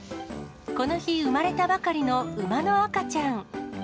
この日、生まれたばかりの馬の赤ちゃん。